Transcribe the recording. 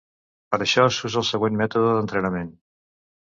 Per això s'usa el següent mètode d'entrenament.